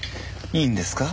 いいんですか？